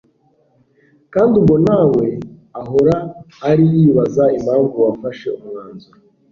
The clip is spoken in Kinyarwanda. kandi ubwo nawe aho ari yibaza impamvu wafashe umwanzuro